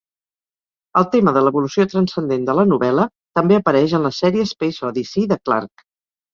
El tema de l'evolució transcendent de la novel·la també apareix en la sèrie "Space Odyssey" de Clarke.